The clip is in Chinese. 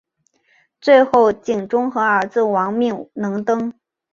最后景忠和儿子亡命能登。